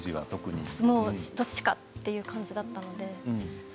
どっちかという感じだったので。